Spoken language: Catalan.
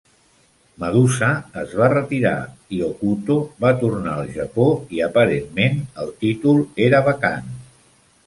Madusa es va retirar i Hokuto va tornar al Japó i, aparentment, el títol era vacant.